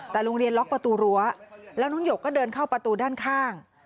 แต่โรงเรียนล็อกประตูรั้วแล้วน้องหยกก็เดินเข้าประตูด้านข้าง